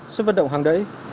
sân vận động hàng đáy